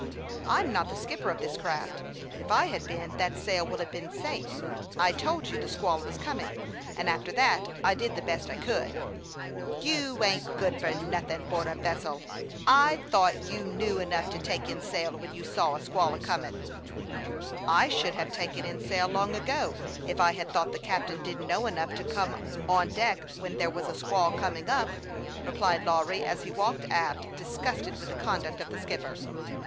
" I'm not the skipper of this craft. If I had been, that sail would have been safe. I told you the squall was coming, and after that I did the best I could." "You ain't good for nothin' 'board a vessel. I thought you knew enough to take in sail when you saw a squall comin'." " I should have taken in sail long ago if I had thought the captain didn't know enough to come on deck when there was a squall coming up," replied Lawry, as he walked aft, disgusted with the conduct of the skipper.